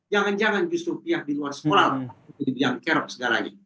jangan jangan justru pihak di luar sekolah yang kerap segalanya